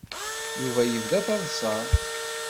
Yuba yebda taḍsa.